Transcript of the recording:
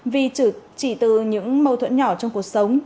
vì chỉ từ những mâu thuẫn nhỏ trong cuộc sống